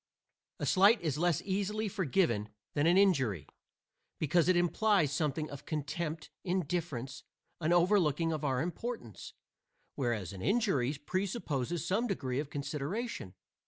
A slight is less easily forgiven than an injury, because it implies something of contempt, indifference, an overlooking of our importance; whereas an injury presupposes some degree of consideration.